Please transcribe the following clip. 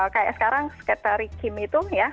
kayak sekarang sketary kim itu ya